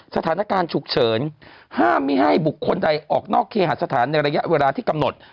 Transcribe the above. สถานการณ์ฉุกเฉินห้ามไม่ให้บุคคลใดออกนอกเคหาสถานในระยะเวลาที่กำหนด